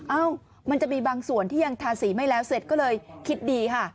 เอ้ามันจะมีบางส่วนที่ยังทาสีไม่แล้วเสร็จก็เลยคิดดีค่ะ